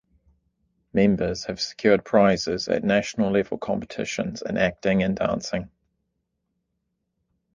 Members have secured prizes at national-level competitions in acting and dancing.